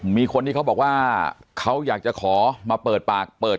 มีคนที่เขาบอกว่าเขาอยากจะขอมาเปิดปากเปิด